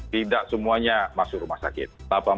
tidak semuanya masuk rumah sakit